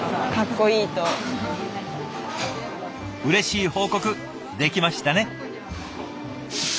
うれしい報告できましたね。